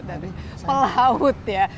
dari pelaut ya